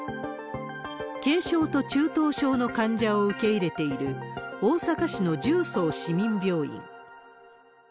軽症と中等症の患者を受け入れている、大阪市の十三市民病院。